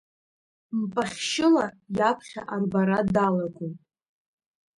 Мпахьшьыла иаԥхьа арбара далагоит.